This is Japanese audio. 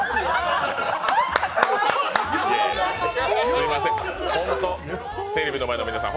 すいません、テレビの前の皆さん